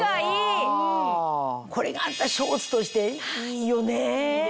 これがショーツとしていいよね。